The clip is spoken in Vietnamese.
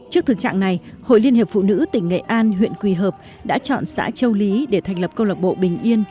trước thực trạng này hội liên hiệp phụ nữ tỉnh nghệ an huyện quỳ hợp đã chọn xã châu lý để thành lập câu lạc bộ bình yên